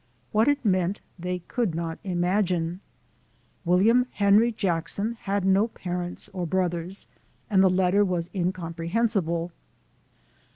What it meant, they could not imagine ; William Henry Jackson had no parents or brothers, and the letter was in comprehensible.